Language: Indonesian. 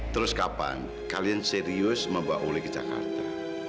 terus kapan kalian serius membawa uli ke jakarta